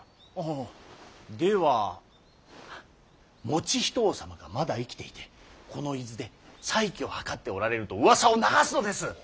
ああでは以仁王様がまだ生きていてこの伊豆で再起を図っておられるとうわさを流すのです！